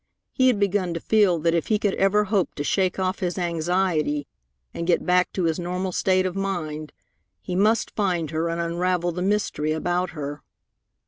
He had begun to feel that if he could ever hope to shake off his anxiety and get back to his normal state of mind, he must find her and unravel the mystery about her.